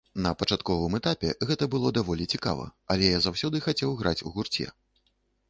На пачатковым этапе гэта было даволі цікава, але я заўсёды хацеў граць у гурце.